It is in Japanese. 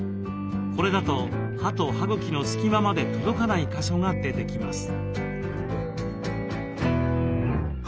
これだと歯と歯茎の隙間まで届かない箇所が出てきます。